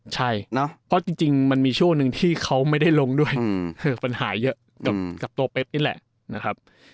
ใช่เพราะจริงมันมีช่วงหนึ่งที่เขาไม่ได้ลงด้วยปัญหาเยอะกับตัวเป๊บนี่แหละนะครับ